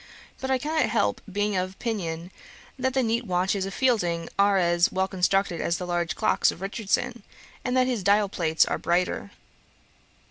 But I cannot help being of opinion, that the neat watches of Fielding are as well constructed as the large clocks of Richardson, and that his dial plates are brighter.